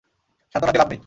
সান্ত্বনা দিয়ে লাভ নেই।